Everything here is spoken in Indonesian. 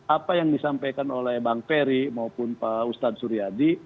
apa yang disampaikan oleh bang ferry maupun pak ustadz suryadi